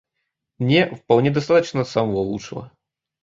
Мне вполне достаточно самого лучшего.